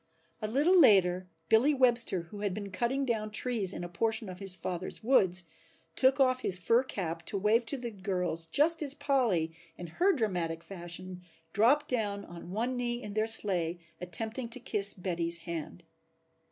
A little later Billy Webster, who had been cutting down trees in a portion of his father's woods, took off his fur cap to wave to the girls just as Polly in her dramatic fashion dropped down on one knee in their sleigh attempting to kiss Betty's hand.